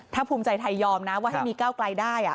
ถ้าภูมิใจไทยยอมนะว่าให้มีก้าวไกลได้